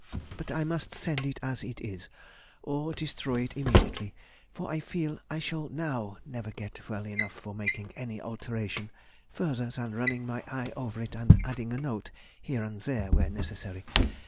But I must send it as it is, or destroy it immediately, for I feel I shall now never get well enough for making any alteration further than running my eye over it and adding a note here and there where necessary.